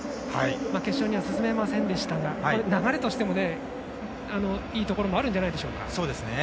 決勝には進めませんでしたが流れとしても、いいところもあるんじゃないでしょうか。